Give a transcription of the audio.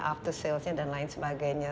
after salesnya dan lain sebagainya